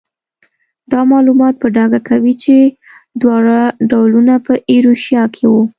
دا معلومات په ډاګه کوي چې دواړه ډولونه په ایروشیا کې وو.